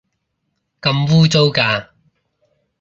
咁污糟嘅